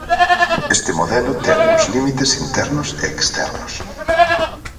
Este modelo ten uns límites internos e externos.